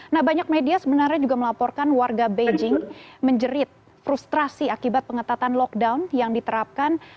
nah banyak media sebenarnya juga melaporkan warga beijing menjerit frustrasi akibat pengetatan lockdown yang diterapkan